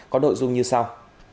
có nội dung như sau